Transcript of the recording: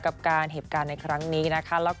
กับการเหตุการณ์ในครั้งนี้นะคะ